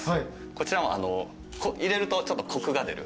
こちらも入れるとコクが出る。